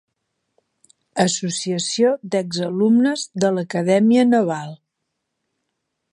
Associació d'Exalumnes de l'Acadèmia Naval.